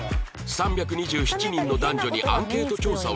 ３２７人の男女にアンケート調査をしたところ